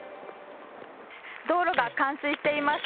道路が冠水しています。